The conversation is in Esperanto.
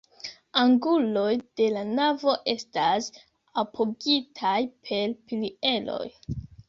Anguloj de la navo estas apogitaj per pilieroj.